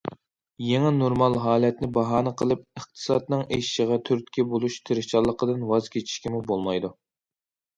يېڭى نورمال ھالەتنى باھانە قىلىپ ئىقتىسادنىڭ ئېشىشىغا تۈرتكە بولۇش تىرىشچانلىقىدىن ۋاز كېچىشكىمۇ بولمايدۇ.